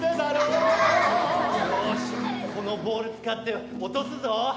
よしこのボール使って落とすぞ！